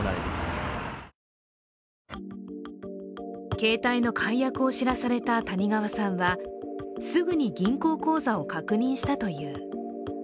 携帯の解約を知らされた谷川さんは、すぐに銀行口座を確認したという。